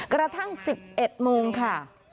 กระทั่ง๑๑โมงค่ะ